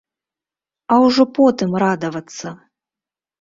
А ўжо потым радавацца.